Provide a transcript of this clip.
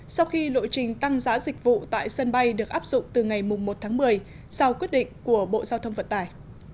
sau khi lộ trình tăng giá dịch vụ tại sân bay được áp dụng từ ngày một tháng một mươi sau quyết định của bộ giao thông vận tải